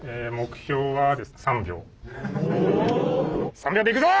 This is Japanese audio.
３秒でいくぞ！